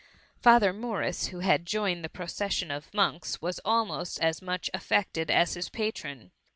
^ Father Morris, who had joined the proces sion of monks, was* almost as much affected as his patron.